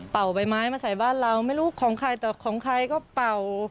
ใบไม้มาใส่บ้านเราไม่รู้ของใครแต่ของใครก็เป่า